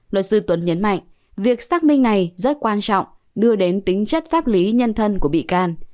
luật sư tuấn nhấn mạnh việc xác minh này rất quan trọng đưa đến tính chất pháp lý nhân thân của bị can